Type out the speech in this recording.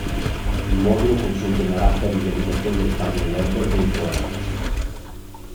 Il modulo consente una rapida visualizzazione delle pagine web dentro Emacs.